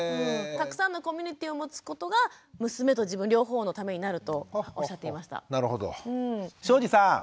たくさんのコミュニティーを持つことが娘と自分両方のためになるとおっしゃっていました。